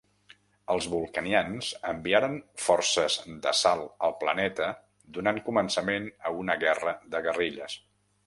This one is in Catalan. Els vulcanians enviaren forces d'assalt al planeta donant començament a una guerra de guerrilles.